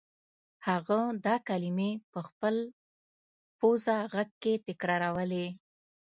هغه دا کلمې په خپل پوزه غږ کې تکرارولې